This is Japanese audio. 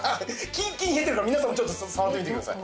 キンキンに冷えてるから皆さんもちょっと触ってみてください。